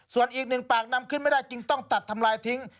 ส่วนอีกหนึ่งปากนำขึ้นไม่ได้จึงต้องตัดทำลายทิ้ง